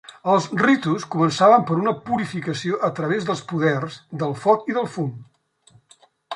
Els ritus començaven per una purificació a través dels poders del foc i del fum.